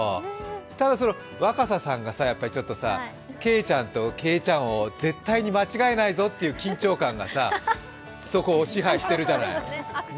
ただ若狭さんがさ、ちょっとけいちゃんと圭ちゃんを絶対に間違えないぞという緊張感がさ、そこを支配してるじゃない。